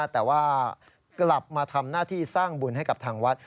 แต่ว่ากลับมาทำหน้าที่สร้างบุญให้กับทางวัด